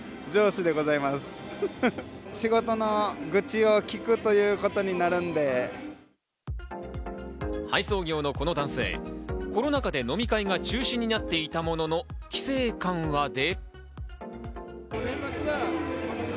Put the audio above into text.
必要は特にないかなと思っていて、配送業のこの男性、コロナ禍で飲み会が中止になっていたものの、規制緩和で。